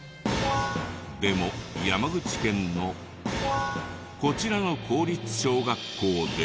でも山口県のこちらの公立小学校では。